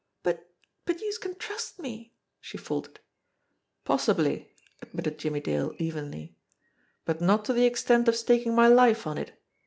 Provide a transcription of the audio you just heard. "But but youse can trust me," she faltered. "Possibly !" admitted Jimmie Dale evenly. "But not to the extent of staking my life on it.